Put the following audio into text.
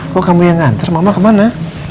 kok kamu yang nganter mama kemana